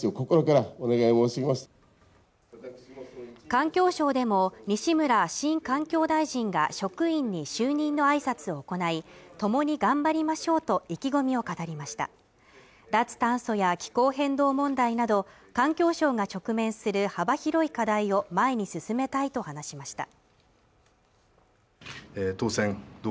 環境省でも西村新環境大臣が職員に就任のあいさつを行い共に頑張りましょうと意気込みを語りました脱炭素や気候変動問題など環境省が直面する幅広い課題を前に進めたいと話しました